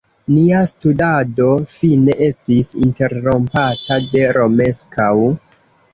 Nia studado fine estis interrompata de Romeskaŭ.